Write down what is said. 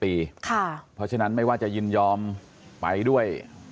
เพราะฉะนั้นไม่ว่าจะยินยอมไปด้วย